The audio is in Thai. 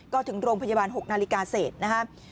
ก็ถึงโรงพยาบาล๖นาฬิกาเสร็จ